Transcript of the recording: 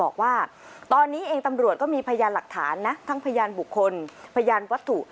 บอกว่าตอนนี้เองตำรวจก็มีพยานหลักฐานนะทั้งพยานบุคคลพยานวัตถุ